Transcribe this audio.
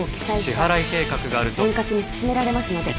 支払計画があると円滑に進められますので